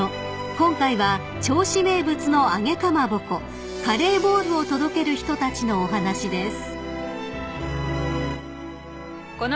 ［今回は銚子名物の揚げかまぼこカレーボールを届ける人たちのお話です］